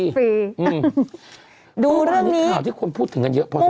ดูเรื่องนี้เมื่อวานนี้ข่าวที่ควรพูดถึงกันเยอะพอสมควร